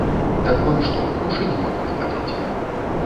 Так вам што, грошы няма куды падзець?